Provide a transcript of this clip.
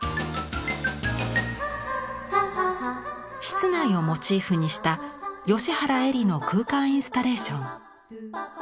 室内をモチーフにした吉原英里の空間インスタレーション。